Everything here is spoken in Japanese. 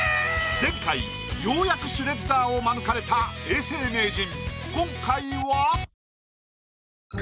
前回ようやくシュレッダーを免れた永世名人